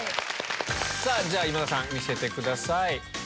じゃ今田さん見せてください。